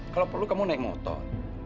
kalau perlu kamu naik motor